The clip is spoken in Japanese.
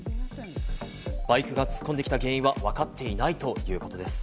バイクが突っ込んできた原因はわかっていないということです。